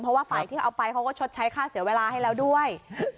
เพราะว่าฝ่ายที่เอาไปเขาก็ชดใช้ค่าเสียเวลาให้แล้วด้วย